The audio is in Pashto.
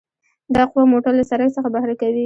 دا قوه موټر له سرک څخه بهر کوي